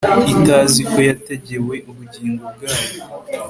Itazi ko yategewe ubugingo bwayo